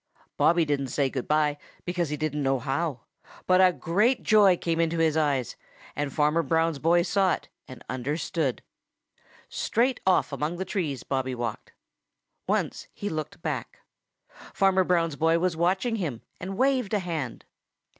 Bobby didn't say good by, because he didn't know how. But a great joy came into his eyes, and Farmer Brown's boy saw it and understood. Straight off among the trees Bobby walked. Once he looked back. Farmer Brown's boy was watching him and waved a hand.